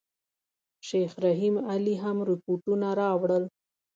شیخ رحیم علي هم رپوټونه راوړل.